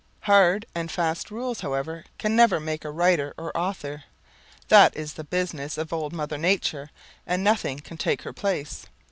Hard and fast rules, however, can never make a writer or author. That is the business of old Mother Nature and nothing can take her place.